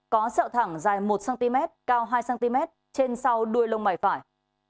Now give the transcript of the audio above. có sẹo thẳng dài một cm cao hai cm trên sau đuôi lông mày phải